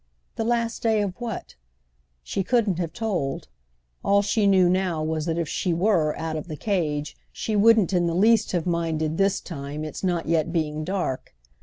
The last day of what? She couldn't have told. All she knew now was that if she were out of the cage she wouldn't in the least have minded, this time, its not yet being dark.